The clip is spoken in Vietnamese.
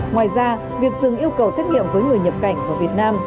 ngoài ra việc dừng yêu cầu xét nghiệm với người nhập cảnh vào việt nam